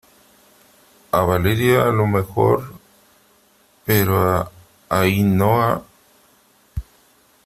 a Valeria a lo mejor , pero a Ainhoa ,